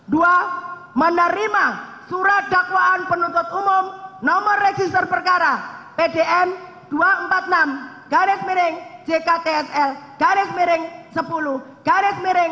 dua menerima surat dakwaan penuntut umum nomor register perkara pdn dua ratus empat puluh enam jktsl sepuluh jktsl